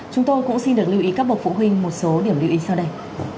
chúng tôi cũng xin được lưu ý các bậc phụ huynh một số điểm lưu ý sau đây